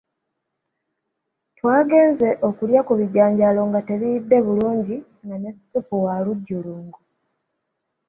Twagenze okulya ku bijanjaalo nga tebiyidde bulungi nga ne ssupu wa lujjulungu.